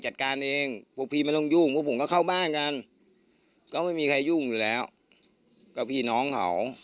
จัดการเองพวกพี่ไม่ต้องยุ่งพวกผมก็เข้าบ้านกันก็ไม่มีใครยุ่งอยู่แล้วก็พี่น้องเขา